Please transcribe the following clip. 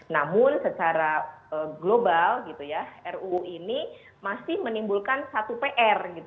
namun secara global ruu ini masih menimbulkan satu pr